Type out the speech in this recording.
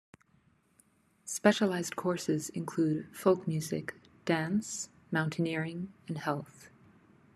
Specialized courses include folk music, dance, mountaineering and health.